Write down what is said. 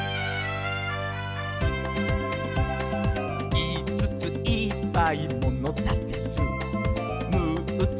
「いつついっぱいものたてる」「むっつ